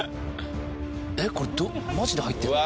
えっこれマジで入ってるの？